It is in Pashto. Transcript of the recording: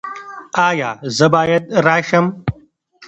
ایا زه باید راشم؟